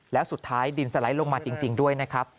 แล้วสุดท้ายดินสไลด์ลงมาจริงด้วยนะครับ